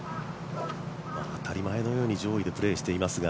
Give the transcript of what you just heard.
当たり前のように上位でプレーしていますが